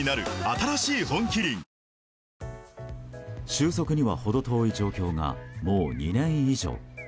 終息には程遠い状況がもう、２年以上。